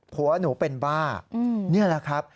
ผัวหนูเป็นบ้านี่แหละครับ